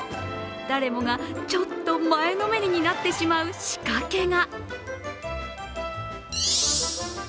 誰もがちょっと前のめりになってしまう仕掛けが。